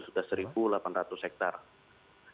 sudah satu delapan ratus hektare